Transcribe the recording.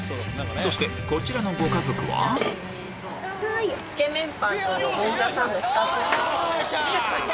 そしてこちらのご家族はよっしゃ！